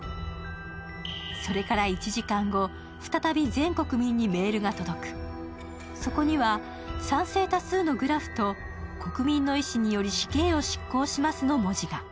それから１時間後、再び全国民にメールが届くそこには賛成多数のグラフと「国民の意思により死刑を執行します」の文字が。